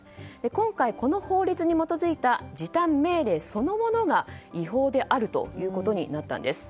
今回、この法律に基づいた時短命令そのものが違法であるということになったんです。